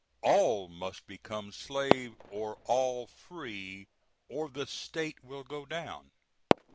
All must become slave or all free, or the state will go down.